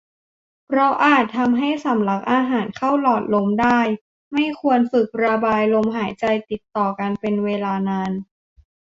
เพราะอาจทำให้สำลักอาหารเข้าหลอดลมได้ ไม่ควรฝึกระบายลมหายใจติดต่อกันเป็นเวลานาน